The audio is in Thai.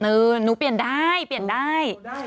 หนูเปลี่ยนได้เปลี่ยนได้